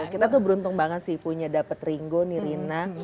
kita tuh beruntung banget sih punya dapet ringo nirina